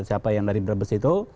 siapa yang dari brebes itu